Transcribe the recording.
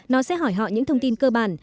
nó sẽ hỏi họ những thông tin cơ bản